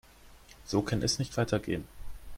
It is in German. So kann es nicht weitergehen.